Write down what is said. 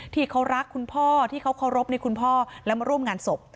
ที่เขารักคุณพ่อที่เขาเคารพในคุณพ่อและมาร่วมงานศพ